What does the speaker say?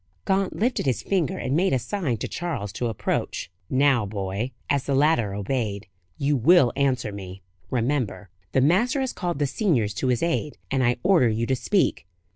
Gaunt lifted his finger, and made a sign to Charles to approach. "Now, boy" as the latter obeyed "you will answer me, remember. The master has called the seniors to his aid, and I order you to speak.